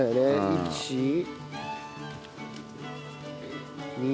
１２。